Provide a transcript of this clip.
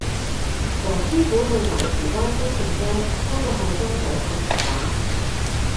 黃師傅去牛池灣豐盛街幫個後生仔睇跌打